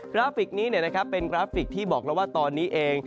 กราฟฟิกนี้นะครับเป็นกราฟฟิกที่บอกเราว่าตอนนี้เอง